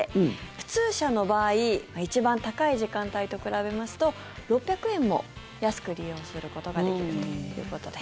普通車の場合一番高い時間帯と比べますと６００円も安く利用することができるということです。